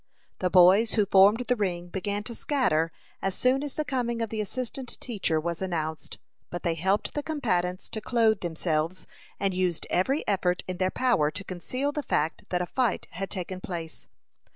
The boys who formed the ring began to scatter as soon as the coming of the assistant teacher was announced. But they helped the combatants to clothe themselves, and used every effort in their power to conceal the fact that a fight had taken place.